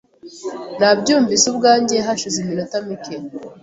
Nabyumvise ubwanjye hashize iminota mike.